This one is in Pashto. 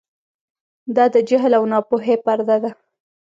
دا د جهل او ناپوهۍ پرده ده.